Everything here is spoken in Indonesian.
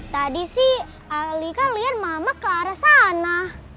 tadi sih lika lihat mama ke arah sana